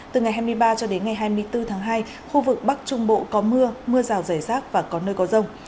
từ ngày hai mươi ba cho đến ngày hai mươi bốn tháng hai khu vực bắc trung bộ có mưa mưa rào rải rác và có nơi có rông